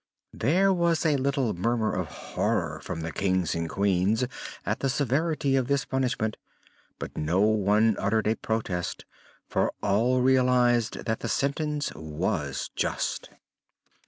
There was a little murmur of horror from the Kings and Queens at the severity of this punishment, but no one uttered a protest, for all realized that the sentence was just.